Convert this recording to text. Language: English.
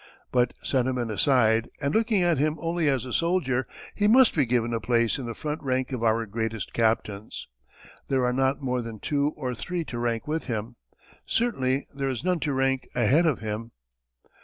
But, sentiment aside, and looking at him only as a soldier, he must be given a place in the front rank of our greatest captains. There are not more than two or three to rank with him certainly there is none to rank ahead of him.